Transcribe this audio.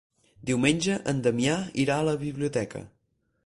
Diumenge en Damià irà a la biblioteca.